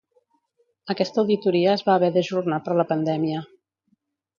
Aquesta auditoria es va haver d'ajornar per la pandèmia.